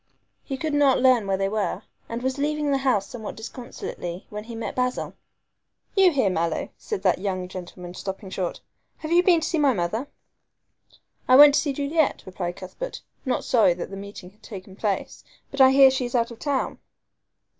He could not learn where they were, and was leaving the house somewhat disconsolately when he met Basil. "You here, Mallow," said that young gentleman, stopping short, "have you been to see my mother?" "I went to see Juliet," replied Cuthbert, not sorry that the meeting had taken place, "but I hear she is out of town."